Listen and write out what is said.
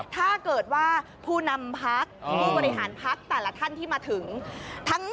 ถ้าเกิดว่าผู้นำพักผู้บริหารพักแต่ละท่านที่มาถึง